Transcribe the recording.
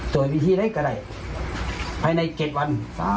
โจยวิธีนั้นก็อะไรภายในเจ็ดวัน